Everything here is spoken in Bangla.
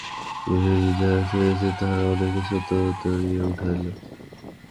গৃহিণী যাহা ঠাহরাইয়াছিলেন, তাহা অনেকটা সত্য হইয়া দাঁড়াইল।